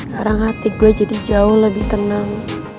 sekarang hati gue jadi jauh lebih tenang